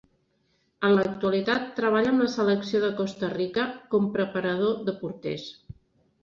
En l'actualitat treballa amb la selecció de Costa Rica, com preparador de porters.